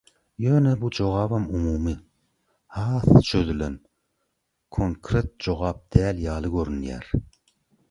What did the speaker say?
Ýöne bu jogabam umumy, has çözülen, konkret jogap däl ýaly görünýär.